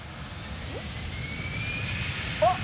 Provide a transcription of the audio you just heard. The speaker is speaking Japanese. あっ！